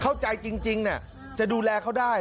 เข้าใจจริงจะดูแลเขาได้